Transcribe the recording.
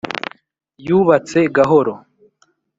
Yubatse Gahoro,